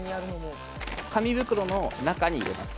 紙袋の中に入れます。